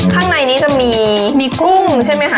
ข้างในนี้จะมีกุ้งใช่ไหมคะ